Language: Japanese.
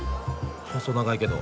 細長いけど。